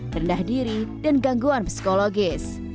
rendah diri dan gangguan psikologis